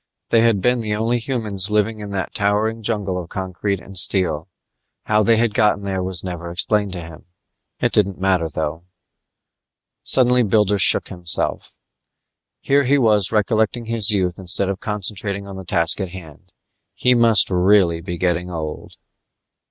They had been the only humans living in that towering jungle of concrete and steel. How they had gotten there was never explained to him. It didn't matter, though. Suddenly Builder shook himself. Here he was recollecting his youth instead of concentrating on the task at hand. He must really be getting old.